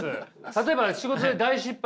例えば仕事で大失敗